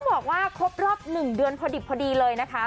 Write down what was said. บอกว่าครบรอบ๑เดือนพอดิบพอดีเลยนะคะ